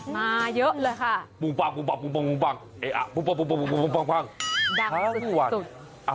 มาเยอะเลยค่ะ